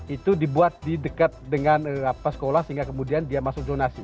itu dibuat di dekat dengan sekolah sehingga kemudian dia masuk zonasi